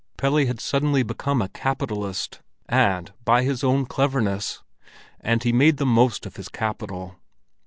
Pelle had suddenly become a capitalist, and by his own cleverness; and he made the most of his capital.